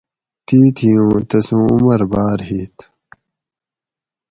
تیتھی اوں تسوں عمر باۤر ہِیت